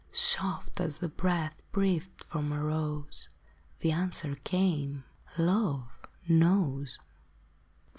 " Soft as the breath breathed from a rose, The answer came :" Love knows."